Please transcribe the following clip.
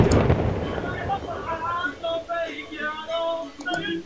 Dream through the night.